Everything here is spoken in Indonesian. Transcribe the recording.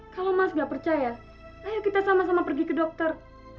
kalau mas gak percaya ayo kita sama sama pergi ke dokter